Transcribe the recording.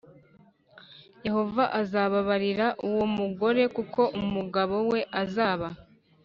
Yehova azababarira uwo mugore kuko umugabo we azaba